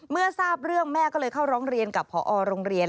เมื่อทราบเรื่องแม่ก็เลยเข้าร้องเรียนกับพอโรงเรียน